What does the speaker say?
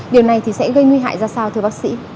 điều này thì sẽ gây nguy hại ra sao thưa bác sĩ